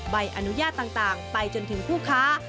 ใบอนุญาตต่างไปจนถึงผู้ค้า